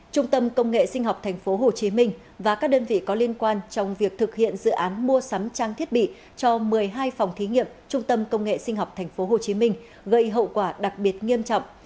trung tâm công nghệ sinh học tp hcm và các đơn vị có liên quan trong việc thực hiện dự án mua sắm trang thiết bị cho một mươi hai phòng thí nghiệm trung tâm công nghệ sinh học tp hcm gây hậu quả đặc biệt nghiêm trọng